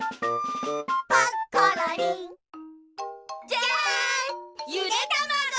じゃんゆでたまご！